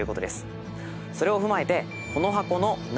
それを踏まえて。